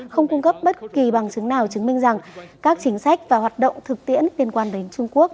không cung cấp bất kỳ bằng chứng nào chứng minh rằng các chính sách và hoạt động thực tiễn liên quan đến trung quốc